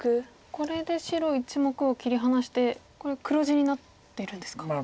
これで白１目を切り離してこれ黒地になってるんですか。